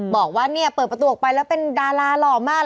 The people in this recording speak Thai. บอกว่าเนี่ยเปิดประตูออกไปแล้วเป็นดาราหล่อมาก